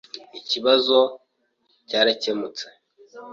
Ikibazo kiracyakemutse.